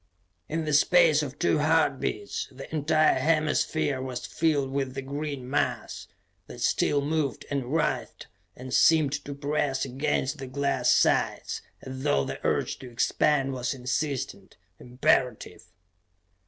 _ In the space of two heart beats, the entire hemisphere was filled with the green mass, that still moved and writhed and seemed to press against the glass sides as though the urge to expand was insistent, imperative....